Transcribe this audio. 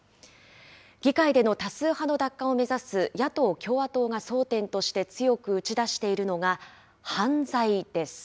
議会での多数派の奪還を目指す野党・共和党が争点として強く打ち出しているのが、犯罪です。